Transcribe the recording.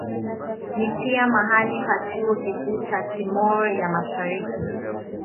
Ni pia mahali pa chuo kikuu cha Timor ya Mashariki.